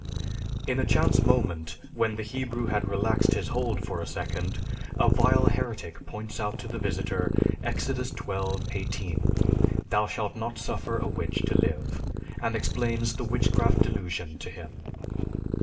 In a chance moment, when the Hebrew had relaxed his hold for a second, a vile heretic points out to the visitor (Exodus XXII, 18): "Thou shalt not suffer a witch to live!" and explains the witchcraft delusion to him.